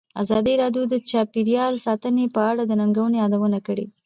ازادي راډیو د چاپیریال ساتنه په اړه د ننګونو یادونه کړې.